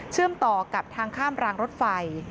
ต่อกับทางข้ามรางรถไฟ